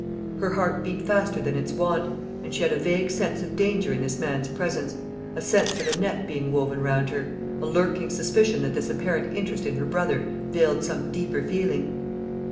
Her heart beat faster than its wont; and she had a vague sense of danger in this man's presence a sense of a net being woven round her, a lurking suspicion that this apparent interest in her brother veiled some deeper feeling.